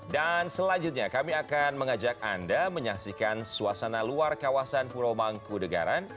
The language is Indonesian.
dan selanjutnya kami akan mengajak anda menyaksikan suasana luar kawasan puromangku negara